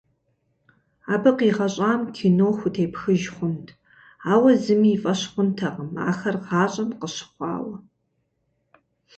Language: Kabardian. Абы къигъэщӏам кино хутепхыж хъунт, ауэ зыми и фӏэщ хъунтэкъым ахэр гъащӏэм къыщыхъуауэ.